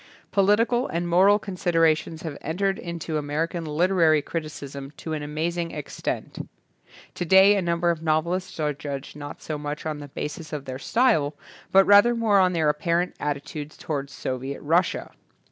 Political and moral considerations have entered into American literary criticism to an amazing extent. To day a number of novelists are judged not so much on the basis of their style but rather more on their apparent atti tude toward Soviet Russia.